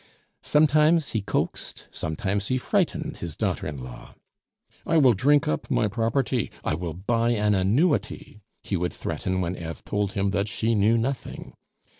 Sometimes he coaxed, sometimes he frightened his daughter in law. "I will drink up my property; I will buy an annuity," he would threaten when Eve told him that she knew nothing.